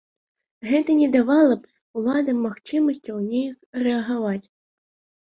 Гэта не давала б уладам магчымасцяў неяк рэагаваць.